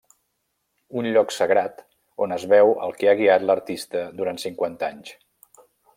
Un lloc sagrat on es veu el que ha guiat a l'artista durant cinquanta anys.